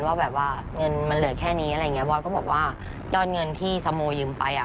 ว่าแบบว่าเงินมันเหลือแค่นี้อะไรอย่างเงี้บอยก็บอกว่ายอดเงินที่สโมยืมไปอ่ะ